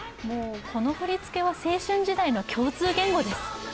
この振り付けは青春時代の共通言語です。